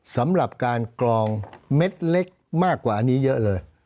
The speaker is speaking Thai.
สำหรับการกรองเม็ดเล็กมากกว่าอันนี้เยอะเลย